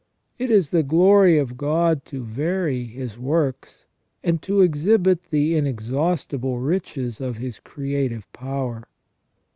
It is the glory of God to vary His works, and to exhibit the inex haustible riches of His creative power.